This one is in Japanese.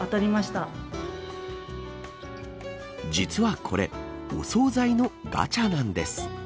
実はこれ、お総菜のガチャなんです。